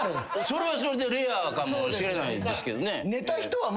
それはそれでレアかもしれないですけどね。